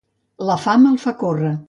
La fam el fa córrer.